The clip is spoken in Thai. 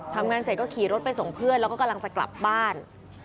ทำงานเสร็จก็ขี่รถไปส่งเพื่อนแล้วก็กำลังจะกลับบ้าน